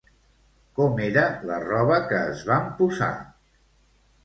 Com era la roba que es van posar?